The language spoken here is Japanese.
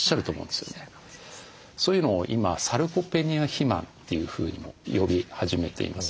そういうのを今サルコペニア肥満というふうにも呼び始めています。